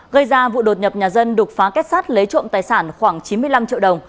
gây ra vụ đột nhập nhà dân đục phá kết sát lấy trộm tài sản khoảng chín mươi năm triệu đồng